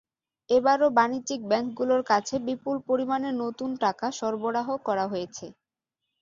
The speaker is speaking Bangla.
এবারও বাণিজ্যিক ব্যাংকগুলোর কাছে বিপুল পরিমাণে নতুন টাকা সরবরাহ করা হয়েছে।